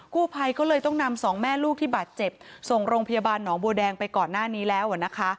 กู้ภัยก็เลยต้องนำสองแม่ลูกที่บาดเจ็บส่งโรงพยาบาลหนองบัวแดงไปก่อนหน้านี้แล้วนะคะ